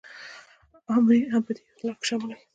آمرین هم په دې اختلاف کې شامل وي.